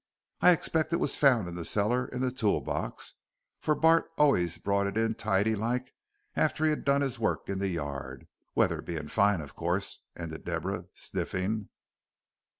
I expect it was found in the cellar in the tool box, for Bart allays brought it in tidy like after he'd done his work in the yard, weather being fine, of course," ended Deborah, sniffing.